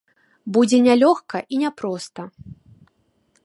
Будзе нялёгка і няпроста.